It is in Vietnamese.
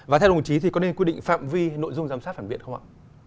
và thưa đồng chí thì có nên quyết định phạm vi nội dung giám sát phản biện không ạ